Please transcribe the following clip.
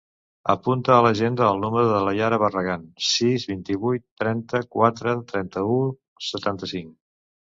Apunta a l'agenda el número de la Yara Barragan: sis, vint-i-vuit, trenta-quatre, trenta-u, setanta-cinc.